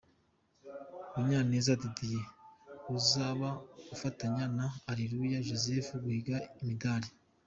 Munyaneza Didier uzaba afatanya na Areruya Joseph guhiga imidali .